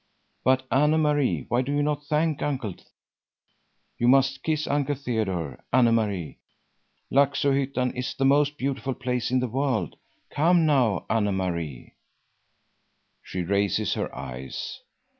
"But, Anne Marie, why do you not thank Uncle? You must kiss Uncle Theodore, Anne Marie. Laxohyttan is the most beautiful place in the world. Come now, Anne Marie!" She raises her eyes.